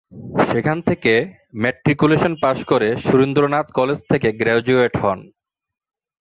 সেখান থেকে ম্যাট্রিকুলেশন পাশ করে সুরেন্দ্রনাথ কলেজ থেকে গ্র্যাজুয়েট হন।